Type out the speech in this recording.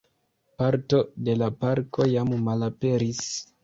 Parto de la parko jam malaperis.